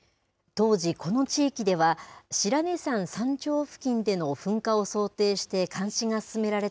当時、この地域では白根山山頂付近での噴火を想定して監視が進められて